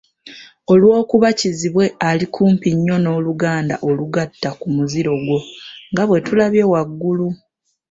Olw’okuba Kizibwe ali kumpi nnyo n’oluganda olugatta ku muziro gwo nga bwe tulabye waggulu,